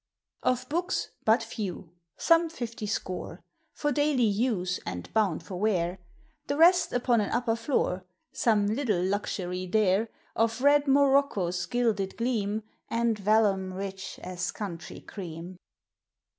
Of hooks hut few, — some fifty score For daily use, and hound \'>>v wear; The rest upon an upper floor ;— Some little luxury there Of red morocco's gilded gleam, And vellum rich as country cream.